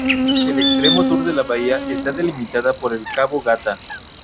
El extremo sur de la bahía está delimitada por el cabo Gata.